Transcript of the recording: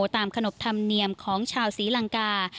ขนบธรรมเนียมของชาวศรีลังกา